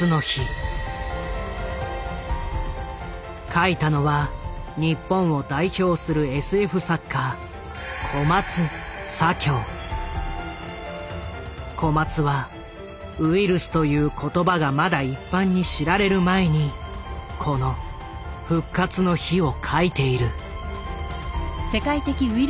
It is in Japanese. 書いたのは日本を代表するＳＦ作家小松は「ウイルス」という言葉がまだ一般に知られる前にこの「復活の日」を書いている。